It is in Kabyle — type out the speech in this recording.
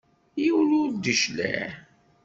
Yiwen ur d-icliɛ.